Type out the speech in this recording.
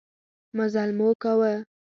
مزلمو کاوه.